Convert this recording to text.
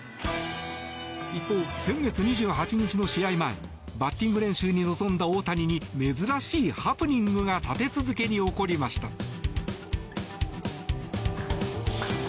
一方、先月２８日の試合前バッティング練習に臨んだ大谷に珍しいハプニングが立て続けに起こりました。